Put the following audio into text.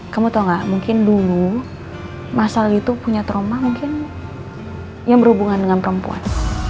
kamu tau gak mungkin dulu masal itu punya trauma mungkin yang berhubungan dengan perempuan